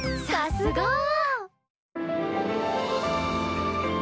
さすが！